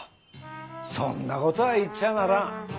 そんなことは言っちゃならん。